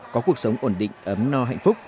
có cuộc sống ổn định ấm no hạnh phúc